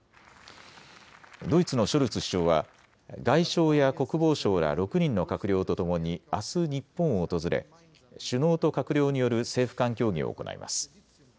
ドイツのショルツ首相は外相や国防相ら６人の閣僚とともにあす日本を訪れ、首脳と閣僚による政府間協議を行います。